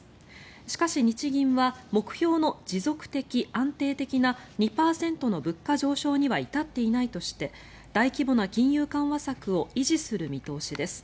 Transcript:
しかし、日銀は目標の持続的・安定的な物価上昇には至っていないとして大規模な金融緩和策を維持する見通しです。